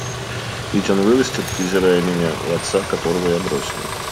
Ведь он вырастет, презирая меня, у отца, которого я бросила.